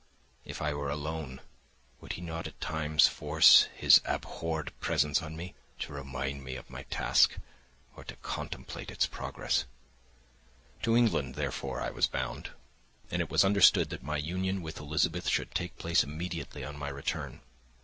If I were alone, would he not at times force his abhorred presence on me to remind me of my task or to contemplate its progress? To England, therefore, I was bound, and it was understood that my union with Elizabeth should take place immediately on my return.